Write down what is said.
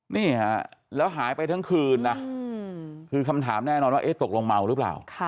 นี่ฮะแล้วหายไปทั้งคืนนะคือคำถามแน่นอนว่าตกลงเมาหรือเปล่า